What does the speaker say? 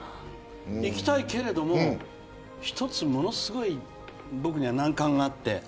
行きたいけれども、一つものすごい僕には難関があって。